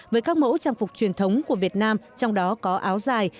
với các mẫu trang phục truyền thống của việt nam trong đó có áo dài